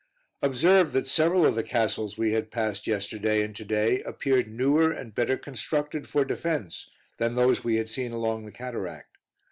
Observed that several of the castles we had passed yesterday and to day appeared newer and better constructed for defense than those we had seen along the Cataract.